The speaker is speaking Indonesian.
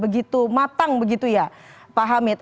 begitu matang begitu ya pak hamid